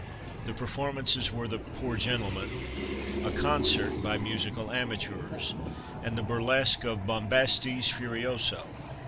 The performances were the "Poor Gentleman," "A Concert," by musical amateurs, and the burlesque of "Bombastes Furioso."